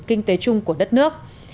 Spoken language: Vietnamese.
kinh tế chung của đất nước